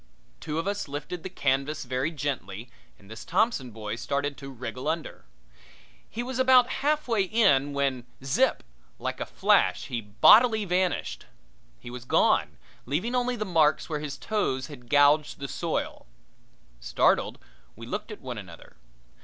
Two of us lifted the canvas very gently and this Thompson boy started to wriggle under. He was about halfway in when zip! like a flash he bodily vanished. He was gone, leaving only the marks where his toes had gouged the soil. Startled, we looked at one another.